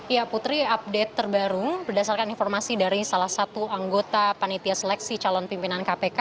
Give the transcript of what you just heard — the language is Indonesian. ya putri update terbaru berdasarkan informasi dari salah satu anggota panitia seleksi calon pimpinan kpk